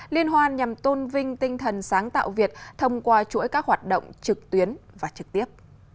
liên hoan nhằm tôn vinh tinh thần sáng tạo việt thông qua chuỗi các hoạt động trực tuyến và trực tiếp